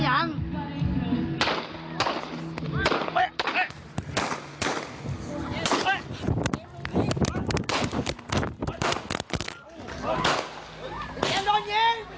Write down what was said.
อุ๊ยในนี้อุ๊ย